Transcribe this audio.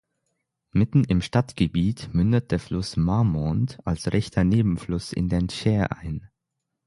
Mitten im Stadtgebiet mündet der Fluss Marmande als rechter Nebenfluss in den Cher ein.